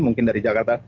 mungkin dari jakarta